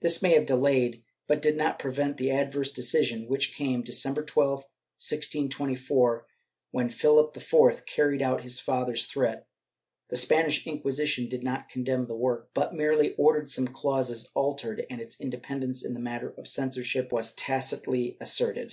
This may have delayed but did not prevent the adverse decision, which came December 12, 1624, when Philip IV carried out his father's threat. The Spanish Inquisition did not condemn the work, but merely ordered some clauses altered, and its independence in the matter of censorship was tacitly asserted.